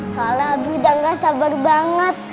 soalnya abi udah gak sabar banget